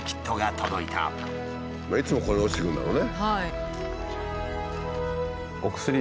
いつもここに落ちてくるんだろうね。